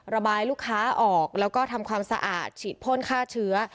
ระบายลูกค้าออกแล้วก็ทำความสะอาดฉีดพ่นฆ่าเชื้อ